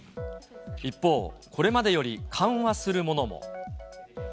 一方、これまでより緩和するものも。